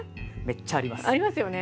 めっちゃあります。